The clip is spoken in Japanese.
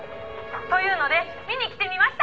「というので見に来てみました」